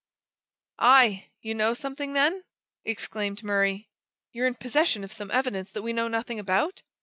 "Aye! you know something, then?" exclaimed Murray. "You're in possession of some evidence that we know nothing about?"